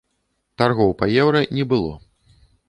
Таргоў па еўра не было.